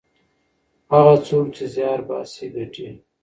هغه څوک چې زیار باسي ګټي.